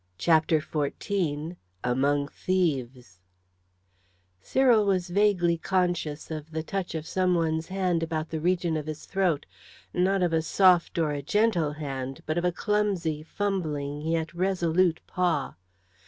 CHAPTER XIV AMONG THIEVES Cyril was vaguely conscious of the touch of some one's hand about the region of his throat; not of a soft or a gentle hand, but of a clumsy, fumbling, yet resolute paw.